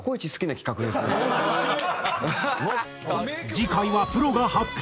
次回はプロが発掘！